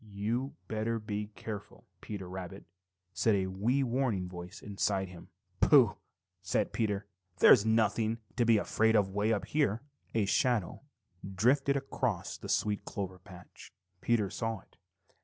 "You'd better be careful, Peter Rabbit," said a wee warning voice inside him. "Pooh!" said Peter. "There's nothing to be afraid of way up here!" A shadow drifted across the sweet clover patch. Peter saw it.